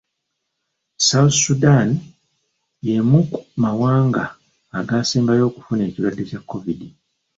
South Sudan y'emu ku mawanga agaasembayo okufuna ekirwadde kya Kovidi.